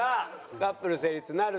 カップル成立ならず。